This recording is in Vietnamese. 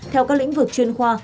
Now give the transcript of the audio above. theo các lĩnh vực chuyên khoa